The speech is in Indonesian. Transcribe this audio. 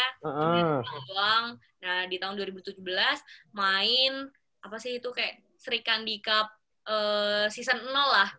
di dua ribu tujuh belas doang nah di tahun dua ribu tujuh belas main apa sih itu kayak sri kandikap season lah